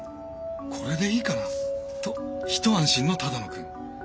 「これでいいかな？」と一安心の只野くん。